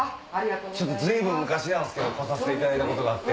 随分昔なんですけど来させていただいたことがあって。